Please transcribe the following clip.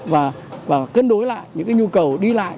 và cân đối lại những nhu cầu đi lại